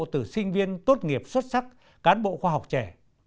từ sinh viên tốt nghiệp xuất sắc cán bộ khoa học trẻ